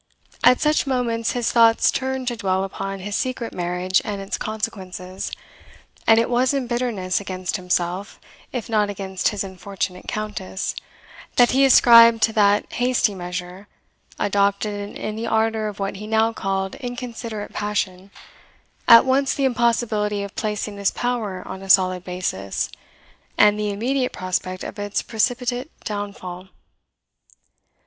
At such moments his thoughts turned to dwell upon his secret marriage and its consequences; and it was in bitterness against himself, if not against his unfortunate Countess, that he ascribed to that hasty measure, adopted in the ardour of what he now called inconsiderate passion, at once the impossibility of placing his power on a solid basis, and the immediate prospect of its precipitate downfall.